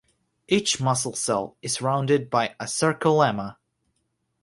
Each muscle cell is surrounded by a sarcolemma.